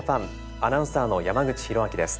アナウンサーの山口寛明です。